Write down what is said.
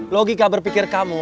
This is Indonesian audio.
logika berpikir kamu